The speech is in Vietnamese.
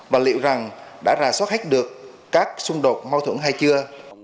và liệu rằng đã ra sót hách được các xung đột mâu thuẫn hay chưa